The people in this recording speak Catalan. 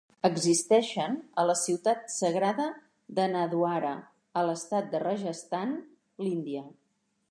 Existeixen a la ciutat sagrada de Nathdwara, a l'estat de Rajasthan, l'Índia.